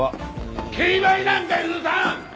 競売なんか許さん！！